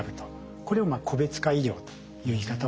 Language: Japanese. これを個別化医療という言い方をします。